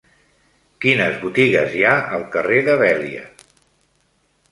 Quines botigues hi ha al carrer de Vèlia?